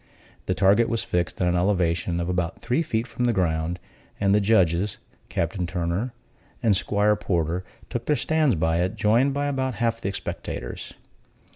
The target was fixed at an elevation of about three feet from the ground; and the judges (Captain Turner and 'Squire Porter) took their stands by it, joined by about half the spectators.